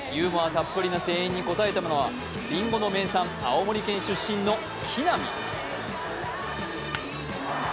たっぷりな声援にこたえたのはりんごの名産・青森県出身の木浪。